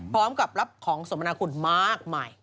พร้อมกับรับของสมนาคุณมากมาย